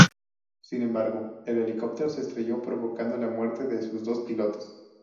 Sin embargo, el helicóptero se estrelló provocando la muerte de sus dos pilotos.